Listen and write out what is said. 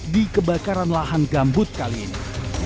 di kebakaran lahan gambut kali ini